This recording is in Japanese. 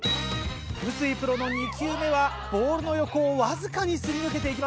臼井プロの２球目はボールの横をわずかにすり抜けていきました。